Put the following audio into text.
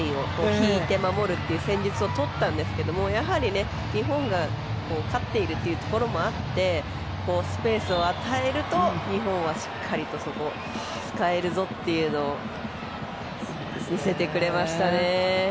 引いて守るっていう戦術をとったんですけど日本が勝っているところもあってスペースを与えると、日本はそこを使えるぞっていうのを見せてくれましたね。